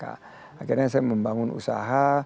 akhirnya saya membangun usaha